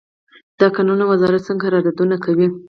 د کانونو وزارت څنګه قراردادونه کوي؟